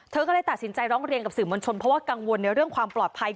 เธอก็เลยตัดสินใจร้องเรียนกับสื่อมวลชนเพราะว่ากังวลในเรื่องความปลอดภัย